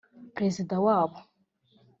perezida wabo